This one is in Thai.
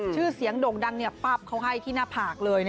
ชื่อเสียงโด่งดังปั๊บเขาให้ที่หน้าผากเลย